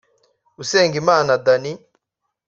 Usengimana Dany